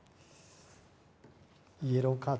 イエローカード。